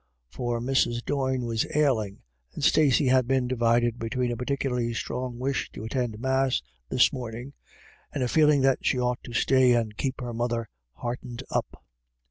For Mrs. Doyne was ailing, and Stacey had been divided between a particularly strong wish to attend Mass this morning, and a feeling that she ought to stay and keep her mother heartened up.